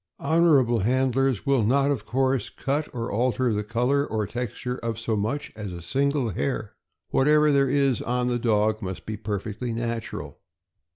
Honorable handlers will not, of course, cut or alter the color or texture of so much as a single hair. Whatever there is on the dog must be perfectly natural.